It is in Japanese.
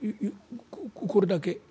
「これだけ」。